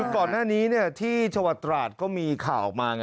ก่อนหน้านี้ที่ชวตรตราชก็มีข่าวมา